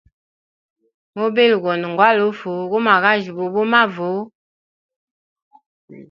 Mubili Gunwe ngwalufu, gumwagajyubuwa bu mavu.